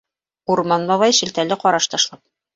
Урман бабай, шелтәле ҡараш ташлап: